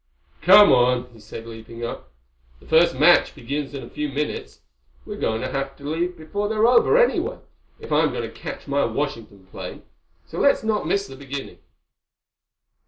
"Come on!" he said, leaping up. "The first match begins in a few minutes. We're going to have to leave before they're over, anyway, if I'm going to catch my Washington plane. So let's not miss the beginning."